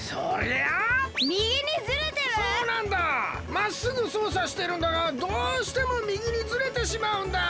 まっすぐそうさしてるんだがどうしてもみぎにずれてしまうんだよ！